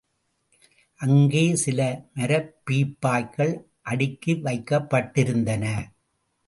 அங்கே சில மரப்பீப்பாய்கள் அடுக்கி வைக்கப்பட்டிருந்தன.